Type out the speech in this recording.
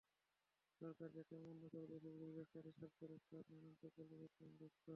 সরকার সেটা অমান্য করে দেশি-বিদেশি ব্যবসায়ীদের স্বার্থ রক্ষার নানান প্রকল্প বাস্তবায়নে ব্যস্ত।